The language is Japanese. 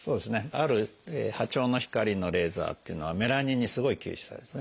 ある波長の光のレーザーっていうのはメラニンにすごい吸収されるんですね。